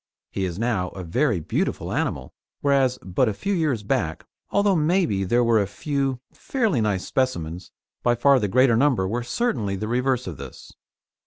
He is now a very beautiful animal, whereas but a few years back, although maybe there were a few fairly nice specimens, by far the greater number were certainly the reverse of this.